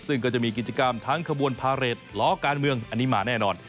ซึ่งก็จะมีกิจกรรมทั้งขบวนพาเรทล้อการเมืองอันนี้มาแน่นอน